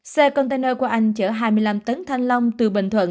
xe container của anh chở hai mươi năm tấn thanh long từ bình thuận